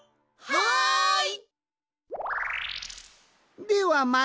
はい！